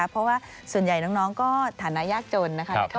เพราะว่าส่วนใหญ่น้องก็ฐานะยากจนนะคะ